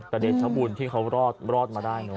กระเด็นทะบุญที่เขารอดมาได้